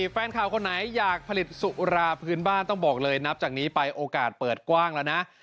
แฟนข่าวคนไหนอยากผลิตสุราพื้นบ้านต้องบอกเลยนับจากนี้ไปโอกาสเปิดกว้างแล้วนะ